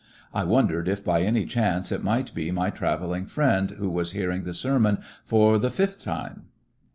I wondered if by any chance it might be my travelling friend who was hearing the sermon for the fifth time